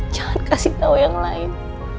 jangan kasih tahu yang lain